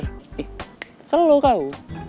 ih salah lo kau